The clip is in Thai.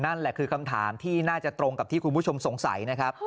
นั่นแหละคือคำถามที่น่าจะตรงกับที่คุณผู้ชมสงสัยนะครับ